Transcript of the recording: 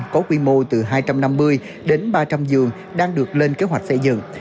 có quy mô từ hai trăm năm mươi đến ba trăm linh giường đang được lên kế hoạch xây dựng